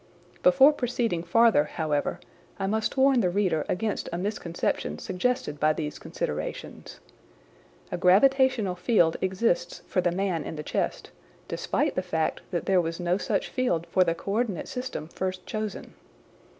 Before proceeding farther, however, I must warn the reader against a misconception suggested by these considerations. A gravitational field exists for the man in the chest, despite the fact that there was no such field for the co ordinate system first chosen.